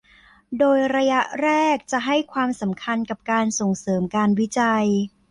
โดยระยะแรกจะให้ความสำคัญกับการส่งเสริมการวิจัย